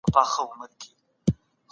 موږ بايد د ټولني لپاره څه وکړو؟